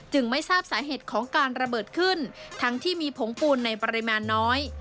ไม่ทราบสาเหตุของการระเบิดขึ้นทั้งที่มีผงปูนในปริมาณน้อย